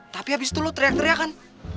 tapi abis itu lo teriak teriakan